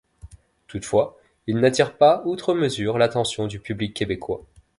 Toutefois, il n'attire pas outre mesure l’attention du public québécois.